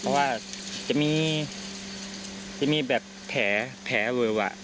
เพราะว่าจะมีแบบแผลเวอะวะ